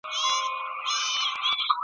اولسونه به مي کله را روان پر یوه لار کې `